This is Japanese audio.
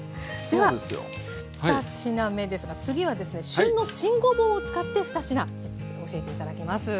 では２品目ですが次はですね旬の新ごぼうを使って２品教えて頂きます。